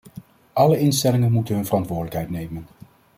Alle instellingen moeten hun verantwoordelijkheid nemen.